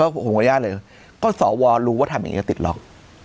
ผมขออนุญาตเลยก็สวรู้ว่าทำอย่างนี้ก็ติดล็อก